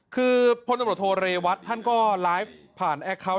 คือพลตำรวจโทเรวัตท่านก็ไลฟ์ผ่านแอคเคาน์